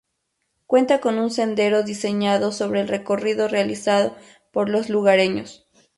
Cuenta con un sendero diseñado sobre el recorrido realizado por los lugareños.